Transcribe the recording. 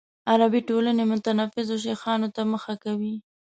عربي ټولنې متنفذو شیخانو ته مخه کوي.